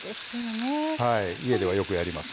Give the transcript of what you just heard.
家ではよくやります。